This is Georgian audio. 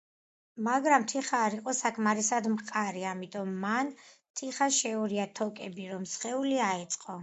მაგრამ თიხა არ იყო საკმარისად მყარი, ამიტომ მან თიხას შეურია თოკები, რომ სხეული აეწყო.